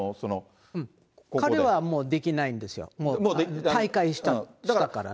彼はもうできないんですよ、退会したからね。